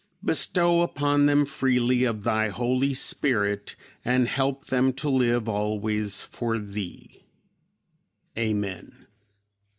Bestow upon them freely of Thy Holy Spirit, and help them to live always for Thee. Amen."